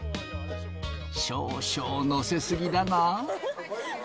少々載せ過ぎだが。